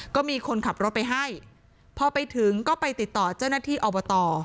ก็มีคนขับรถไปให้พอไปถึงก็ไปติดต่อเจ้าหน้าที่อบต